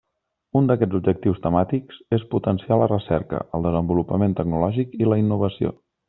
Un d'aquests objectius temàtics és potenciar la recerca, el desenvolupament tecnològic i la innovació.